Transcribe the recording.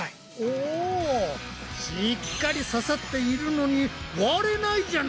おしっかり刺さっているのに割れないじゃないか。